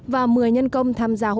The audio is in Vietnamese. và một mươi nhân công tham gia hỗ trợ